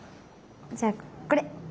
じゃあこれ！